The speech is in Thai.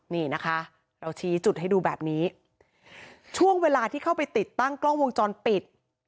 นี่นะคะเราชี้จุดให้ดูแบบนี้ช่วงเวลาที่เข้าไปติดตั้งกล้องวงจรปิด